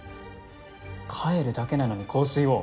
帰るだけなのに香水を。